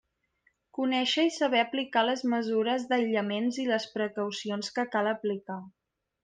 Conèixer i saber aplicar les mesures d'aïllaments i les precaucions que cal aplicar.